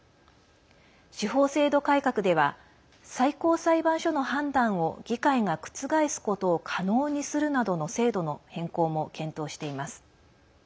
司法制度改革では最高裁判所の判断を議会が覆すことを可能にするなどの制度の変更も検討しています。